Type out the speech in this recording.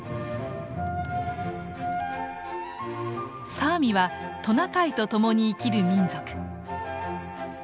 サーミはトナカイとともに生きる民族。